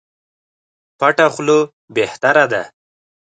پټه خوله بهتره ده.